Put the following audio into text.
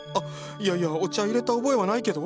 いやいやお茶いれた覚えはないけど？